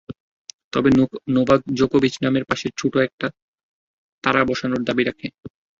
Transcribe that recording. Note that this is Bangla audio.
তবে নোভাক জোকোভিচ নামের পাশে ছোট একটা তারা বসানোর দাবি রাখে।